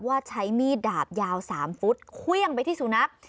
ใช้มีดดาบยาว๓ฟุตเครื่องไปที่สุนัข